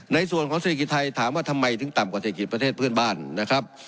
เศรษฐกิจไทยถามว่าทำไมถึงต่ำกว่าเศรษฐกิจประเทศเพื่อนบ้านนะครับ